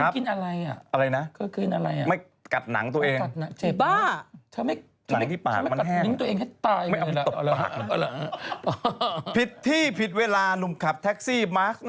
พิษที่พิษเวลานุมขับแตคซี่